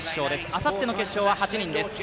あさっての決勝は８人です。